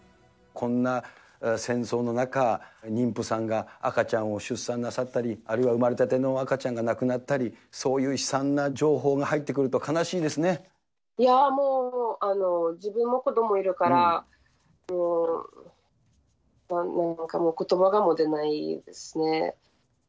こんな戦争の中、妊婦さんが赤ちゃんを出産なさったり、あるいは生まれたての赤ちゃんが亡くなったり、そういう悲惨な情報が入ってくると悲しいでもう、自分も子どもいるから、何もかもことばが出ないですね。